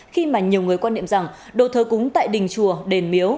khi mà nhiều người quan niệm rằng đồ thờ cúng tại đình chùa đền miếu